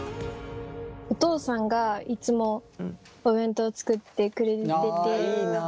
お父さんがいつもお弁当を作ってくれてて。